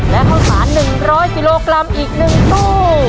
และข้าวสาร๑๐๐กิโลกรัมอีก๑ตู้